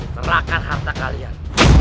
serahkan harta kalian